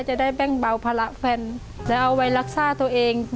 จะได้แบ่งเบาภาระแฟนแล้วเอาไว้รักษาตัวเอง